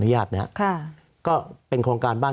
สวัสดีครับทุกคน